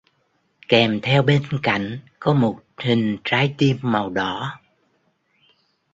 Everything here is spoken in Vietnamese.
kèm theo bên cạnh có một hình trái tim màu đỏ